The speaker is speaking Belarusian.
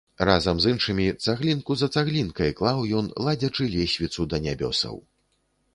Разам з іншымі цаглінку за цаглінкай клаў ён, ладзячы лесвіцу да нябёсаў.